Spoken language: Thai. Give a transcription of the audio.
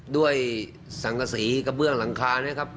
ด้วยสั่งสะสีกระเบื่องหลังคา